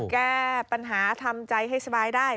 แก้ปัญหาทำใจให้สบายได้